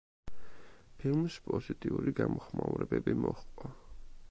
ფილმს პოზიტიური გამოხმაურებები მოჰყვა.